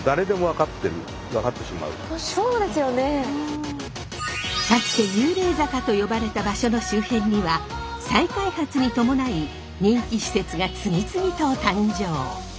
かつて幽霊坂と呼ばれた場所の周辺には再開発に伴い人気施設が次々と誕生。